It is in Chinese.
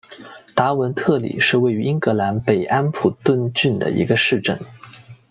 达文特里是位于英格兰北安普敦郡的一座城市。